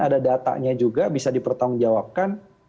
ada datanya juga bisa dipertanggungjawabkan